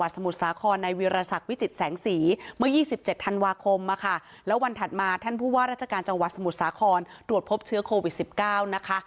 สมุทรศาครตรวจพบเชื้อโควิด๑๙นะคะ